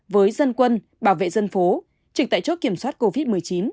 với dân quân bảo vệ dân phố trực tại chốt kiểm soát covid một mươi chín